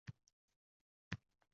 Zero, bu juda muhim masaladir.